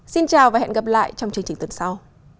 xin chào và hẹn gặp lại trong chương trình tuần sau